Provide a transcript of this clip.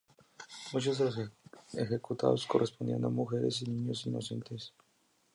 Muchos de los ejecutados correspondían a mujeres y niños inocentes.